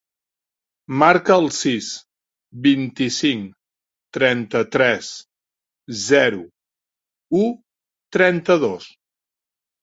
Marca el sis, vint-i-cinc, trenta-tres, zero, u, trenta-dos.